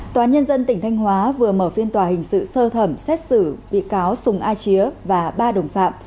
tòa nhân dân tỉnh thanh hóa vừa mở phiên tòa hình sự sơ thẩm xét xử bị cáo sùng a chía và ba đồng phạm